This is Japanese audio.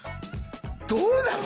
どうなの？